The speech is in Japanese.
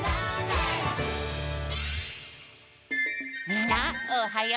みんなおはよう！